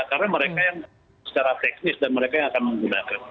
karena mereka yang secara teknis dan mereka yang akan menggunakan